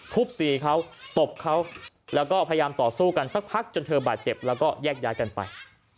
ทุบตีเขาตบเขาแล้วก็พยายามต่อสู้กันสักพักจนเธอบาดเจ็บแล้วก็แยกย้ายกันไป